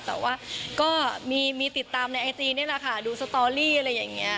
แต่ว่าก็มีติดตามในไอจีนี่แหละค่ะดูสตอรี่อะไรอย่างนี้